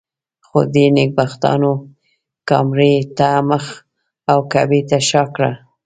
خو دې نېکبختانو کامرې ته مخ او کعبې ته شا کړه.